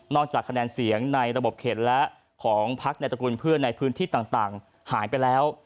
จากคะแนนเสียงในระบบเขตและของพักในตระกูลเพื่อนในพื้นที่ต่างหายไปแล้ว